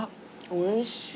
おいしい！